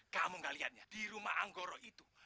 kamu gak lihatnya di rumah anggoro itu